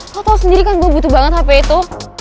lo tau sendiri kan gue butuh banget hp itu